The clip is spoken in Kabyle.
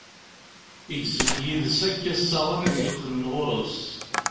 Yegzem yid-s akk assaɣen i t-yeqqnen ɣur-s.